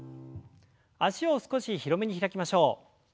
脚を少し広めに開きましょう。